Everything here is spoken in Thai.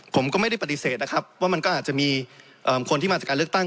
ผมก็ไม่ได้ปฏิเสธนะครับว่ามันก็อาจจะมีคนที่มาจากการเลือกตั้ง